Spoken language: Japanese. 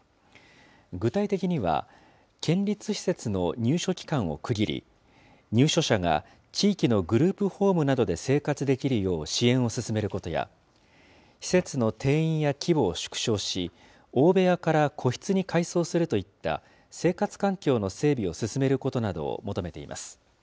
具体的には、県立施設の入所期間を区切り、入所者が地域のグループホームなどで生活できるよう支援を進めることや、施設の定員や規模を縮小し、大部屋から個室に改装するといった生活環境の整備を進めることなどを求めています。